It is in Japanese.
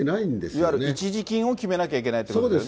いわゆる一時金を決めなきゃいけないということですね。